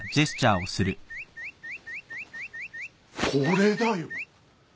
これだよ！